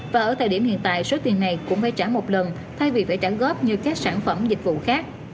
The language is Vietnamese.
và ở thời điểm hiện tại số tiền này cũng phải trả một lần thay vì phải trả góp như các sản phẩm dịch vụ khác